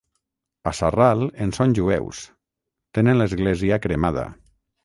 A Sarral en són jueus, tenen l'església cremada.